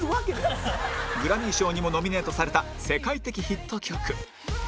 グラミー賞にもノミネートされた世界的ヒット曲